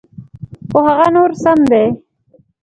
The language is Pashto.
خو هغه نور سم دي.